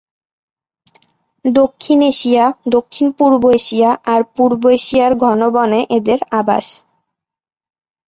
দক্ষিণ এশিয়া, দক্ষিণ-পূর্ব এশিয়া আর পূর্ব এশিয়ার ঘন বনে এদের আবাস।